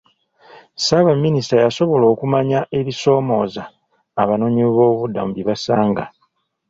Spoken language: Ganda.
Ssaabaminisita yasobola okumanya ebisoomooza abanoonyiboobubudamu bye basanga.